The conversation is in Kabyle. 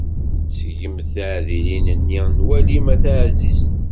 Seggem tiɛdilin-nni n walim a taɛzizt.